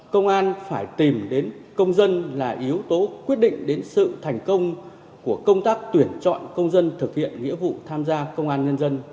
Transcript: công an phải tìm đến công dân là yếu tố quyết định đến sự thành công của công tác tuyển chọn công dân thực hiện nghĩa vụ tham gia công an nhân dân